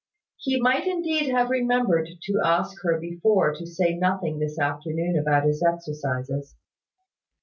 He might indeed have remembered to ask her before to say nothing this afternoon about his exercises.